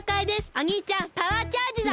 おにいちゃんパワーチャージだ！